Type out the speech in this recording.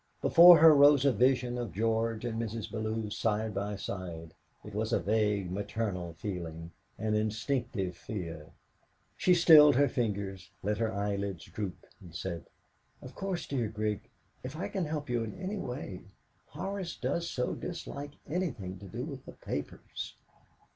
Before her rose a vision of George and Mrs. Bellew side by side. It was a vague maternal feeling, an instinctive fear. She stilled her fingers, let her eyelids droop, and said: "Of course, dear Grig, if I can help you in any way Horace does so dislike anything to do with the papers."